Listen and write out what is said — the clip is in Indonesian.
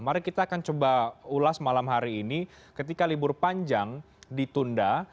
mari kita akan coba ulas malam hari ini ketika libur panjang ditunda